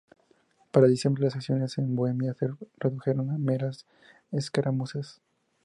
Para diciembre, las acciones en Bohemia se redujeron a meras escaramuzas.